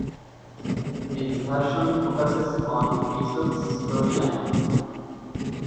This version focuses on Keisuke's storyline.